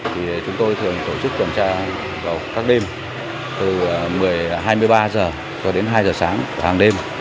thì chúng tôi thường tổ chức tuần tra vào các đêm từ hai mươi ba h cho đến hai h sáng hàng đêm